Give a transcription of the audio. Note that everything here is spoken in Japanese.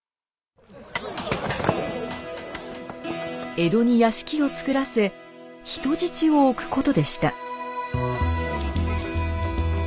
江戸に屋敷を造らせ人質を置くことでした。